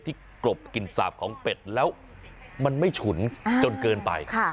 กรบกลิ่นสาบของเป็ดแล้วมันไม่ฉุนจนเกินไป